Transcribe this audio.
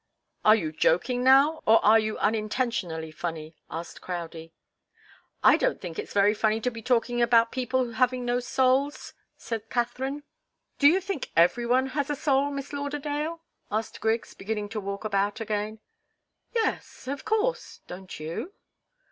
"Are you joking now, or are you unintentionally funny?" asked Crowdie. "I don't think it's very funny to be talking about people having no souls," said Katharine. "Do you think every one has a soul, Miss Lauderdale?" asked Griggs, beginning to walk about again. "Yes of course. Don't you?"